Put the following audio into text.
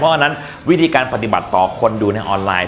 เพราะฉะนั้นวิธีการปฏิบัติต่อคนดูในออนไลน